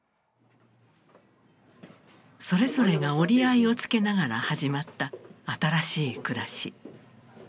それぞれが折り合いをつけながら始まった新しい暮らし。